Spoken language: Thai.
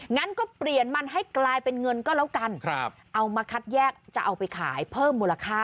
งั้นก็เปลี่ยนมันให้กลายเป็นเงินก็แล้วกันเอามาคัดแยกจะเอาไปขายเพิ่มมูลค่า